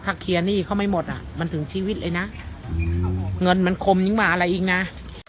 ถ้าเคี้ยนี่เค้าไม่หมดมันถึงชีวิตเลยนะเงินมันกรรมยิ่งมาอะไรยังน้า